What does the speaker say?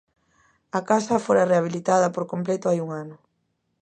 A casa fora rehabilitada por completo hai un ano.